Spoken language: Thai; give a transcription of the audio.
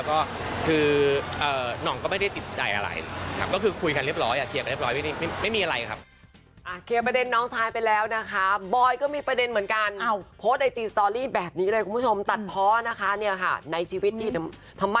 ก็เป็นความจริงเค้าก็เป็นพี่น้าข่าวที่เนี่ยรู้จักกันอยู่แล้วนะครับ